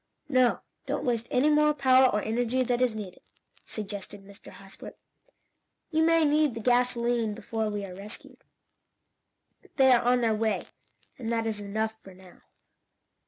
"No, don't waste any more power or energy than is needed," suggested Mr. Hosbrook. "You may need the gasolene before we are rescued. They are on their way, and that is enough for now."